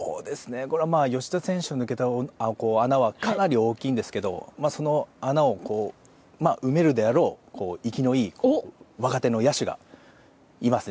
吉田選手が抜けた穴はかなり大きいんですけどその穴を埋めるであろう生きのいい若手の野手がいますね。